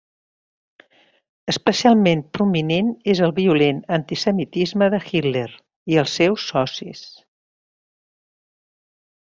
Especialment prominent és el violent antisemitisme de Hitler i els seus socis.